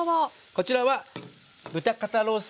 こちらは豚肩ロース肉。